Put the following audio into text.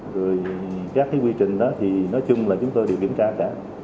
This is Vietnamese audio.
rồi các cái quy trình đó thì nói chung là chúng tôi đều kiểm tra cả